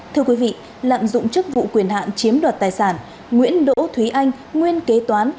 thưa quý vị lạm dụng chức vụ quyền hạn chiếm đoạt tài sản nguyễn đỗ thúy anh nguyên kế toán